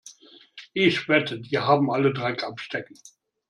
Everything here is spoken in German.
Ich wette, die haben alle Dreck am Stecken.